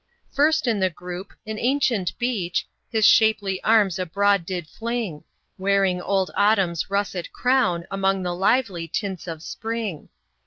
First in the group, an ancient BEECH His shapely arms abroad did fling, Wearing old Autumn's russet crown Among the lively tints of Spring.